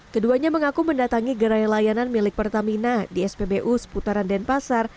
keduanya mengaku mendatangi gerai layanan milik pertamina di spbu seputaran denpasar